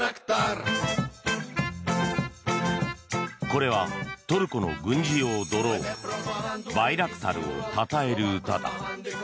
これはトルコの軍事用ドローンバイラクタルをたたえる歌だ。